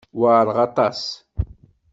Weɛṛeɣ aṭas.